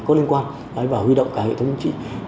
có liên quan và huy động cả hệ thống chính trị